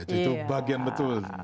itu bagian betul